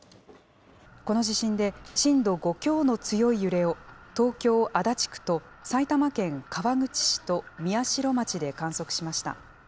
この地震で震度５強の強い揺れを東京・足立区と埼玉県川口市と宮代町で観測しました。